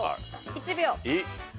１秒。